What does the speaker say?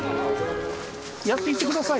やっていってください。